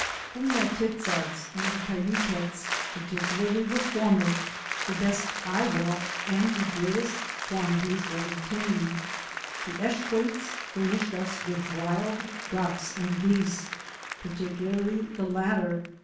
From the Aitizzarts, and the Caynquets, particularly the former, the best I whawand in the greatest quantities was obtained. The Eshquates furnished us with wild ducks and geese, particularly the latter.